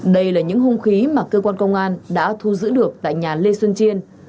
đây là những hung khí mà cơ quan công an đã thu giữ được tại nhà lê xuân chiên